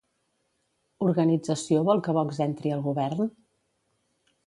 Organització vol que Vox entri al govern?